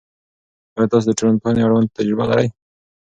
آیا تاسو د ټولنپوهنې اړوند تجربه لرئ؟